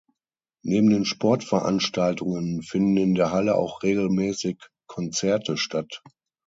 Neben den Sportveranstaltungen finden in der Halle auch regelmäßig Konzerte statt.